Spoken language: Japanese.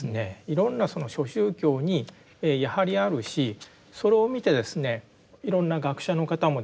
いろんな諸宗教にやはりあるしそれを見てですねいろんな学者の方もですねこういった宗教被害